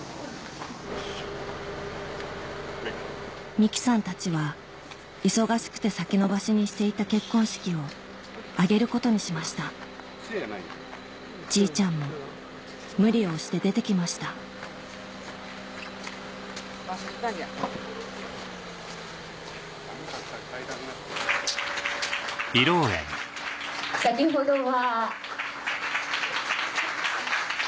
美樹さんたちは忙しくて先延ばしにしていた結婚式を挙げることにしましたじいちゃんも無理を押して出て来ました先ほどは。